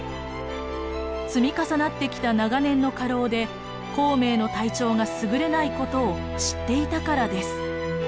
積み重なってきた長年の過労で孔明の体調がすぐれないことを知っていたからです。